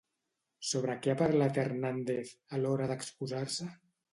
Sobre què ha parlat Hernández a l'hora d'excusar-se?